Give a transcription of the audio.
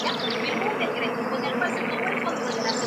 Sin embargo, las acusaciones no han cesado.